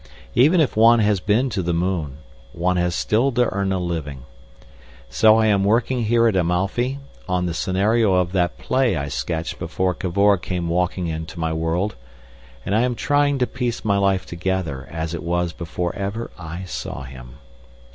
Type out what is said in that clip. Even if one has been to the moon, one has still to earn a living. So I am working here at Amalfi, on the scenario of that play I sketched before Cavor came walking into my world, and I am trying to piece my life together as it was before ever I saw him.